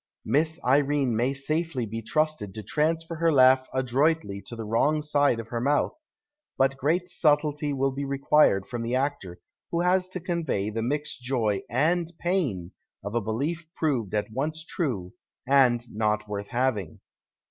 Miss Irene may safely be trusted to transfer her laugh adroitly to the wrong side of her mouth, but great subtlety will be required from the aetor wlio lias to convey the mixed joy and pain of a belief j)roved at once true and not worth having.